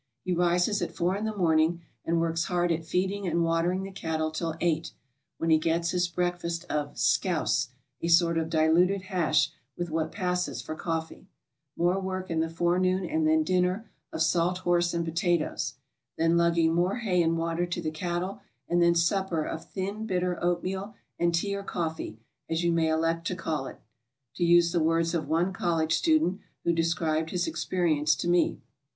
He rises at 4 in the morn ing and works hard at feeding and watering the cattle till 8, when he gets his breakfast of "scouse," a sort of diluted hash, with what passes for coffee. More work in the fore noon and then dinner of "salt horse" and potatoes. Then lugging more hay and water to the cattle and then supper of "thin, bitter oatmeal and tea or coffee, as you may elect to call it," to use the words of one college student who de scribed his experience to me.